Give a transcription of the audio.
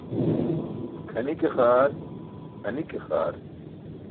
Kʰani ke xaar, hani ke xaar.